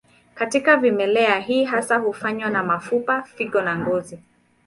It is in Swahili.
Katika vimelea, hii hasa hufanywa na mapafu, figo na ngozi.